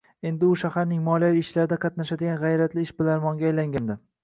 Endi u shaharning moliyaviy ishlarida qatnashadigan g`ayratli ishbilarmonga aylangandi